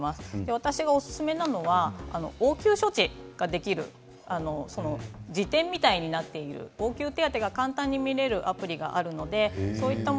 私がおすすめなのは応急処置ができる辞典みたいになっていて応急手当が簡単に見られるアプリがあります。